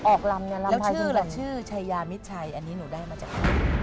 ออกลำเนี่ยลำไทยที่หมดนี้แล้วชื่อละชื่อชายามิดชัยอันนี้หนูได้มาจาก